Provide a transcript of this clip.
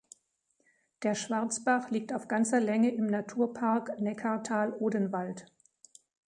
Der Schwarzbach liegt auf ganzer Länge im Naturpark Neckartal-Odenwald.